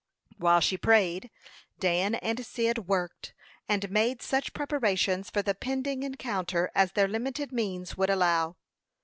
While she prayed, Dan and Cyd worked, and made such preparations for the pending encounter as their limited means would allow.